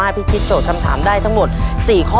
พิธีโจทย์คำถามได้ทั้งหมด๔ข้อ